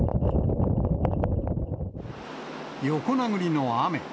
横殴りの雨。